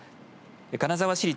金沢市立